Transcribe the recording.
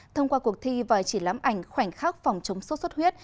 thông qua cuộc thi và chỉ lắm ảnh khoảnh khắc phòng chống sốt xuất huyết